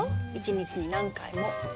１日に何回も。